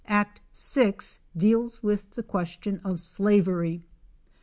Act 6 deals with the question of slavery.